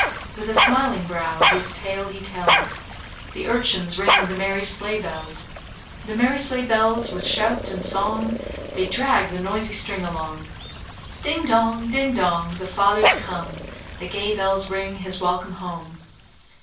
With a smiling brow, his tale he tells, The urchins ring the merry sleigh bells; The merry sleigh bells, with shout and song They drag the noisy string along; Ding dong, ding dong, the father's come The gay bells ring his welcome home.